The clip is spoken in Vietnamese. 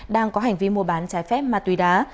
đang có hành vi mua bán trái phép ma túy đá